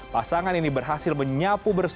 pasangan ini berhasil menyapu bersih